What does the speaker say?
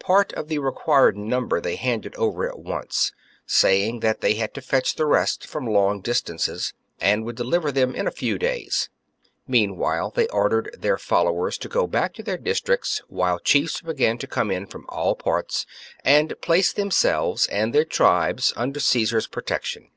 Part of the required number they handed over at once, saying that they had to fetch the rest from long distances, and would deliver them in a few days. Meanwhile they ordered their followers to go back to their districts, while chiefs began to come in from all parts and place themselves and their tribes under Caesar's protection.